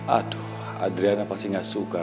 aduh adriana pasti gak suka